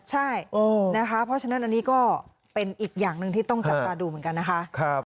ใช่นะคะเพราะฉะนั้นอันนี้ก็เป็นอีกอย่างหนึ่งที่ต้องจับตาดูเหมือนกันนะคะ